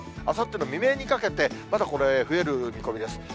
あさっての未明にかけて、まだこれ、増える見込みです。